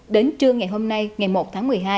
đến trưa ngày hôm nay ngày một tháng một mươi hai